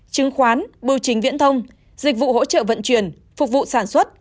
chứng khoán bưu chính viễn thông dịch vụ hỗ trợ vận chuyển phục vụ sản xuất